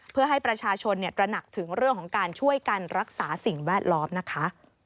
เพื่อให้ประชาชนตระหนักถึงเรื่องของการช่วยกันรักษาสิ่งแวดล้อมนะคะ